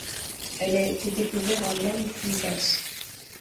Elle a été découverte à Mount Compass.